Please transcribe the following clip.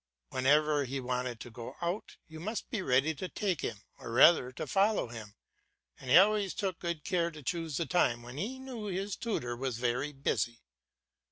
Whenever he wanted to go out, you must be ready to take him, or rather to follow him, and he always took good care to choose the time when he knew his tutor was very busy.